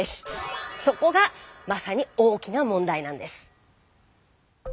そこがまさに大きな問題なんです。